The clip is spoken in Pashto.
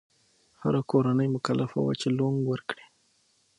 هره کورنۍ مکلفه وه چې لونګ ورکړي.